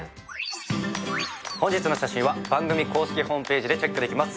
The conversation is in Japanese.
本日の写真は番組公式ホームページでチェックできます。